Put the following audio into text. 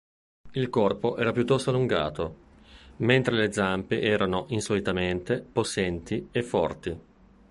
Il corpo era piuttosto allungato, mentre le zampe erano insolitamente possenti e forti.